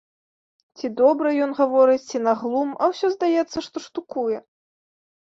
Ці добра ён гаворыць, ці на глум, а ўсё здаецца, што штукуе.